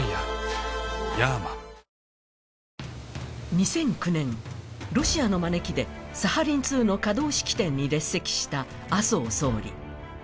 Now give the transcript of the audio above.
２００９年、ロシアの招きでサハリン２の稼働式典に列席した麻生総理。